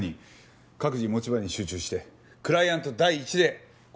各自持ち場に集中してクライアント第一で行動しましょう。